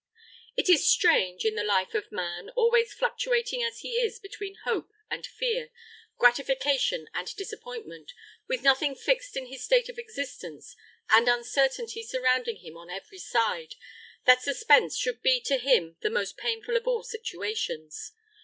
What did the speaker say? It is strange, in the life of man, always fluctuating as he is between hope and fear, gratification and disappointment, with nothing fixed in his state of existence, and uncertainty surrounding him on every side, that suspense should be to him the most painful of all situations.